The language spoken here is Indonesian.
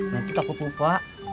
nanti takut lupa